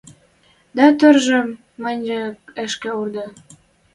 Дӓ тӧржӹм, мӹньӹ — ӹшке ороды.